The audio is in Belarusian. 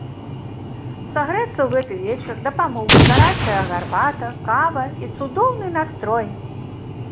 Сагрэцца ў гэты вечар дапамогуць гарачая гарбата, кава і цудоўны настрой!